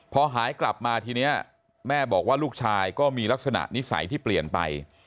พอหายกลับมาทีนี้แม่บอกว่าลูกชายก็มีลักษณะนิสัยที่เปลี่ยนไป